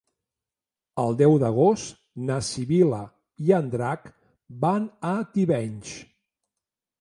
El deu d'agost na Sibil·la i en Drac van a Tivenys.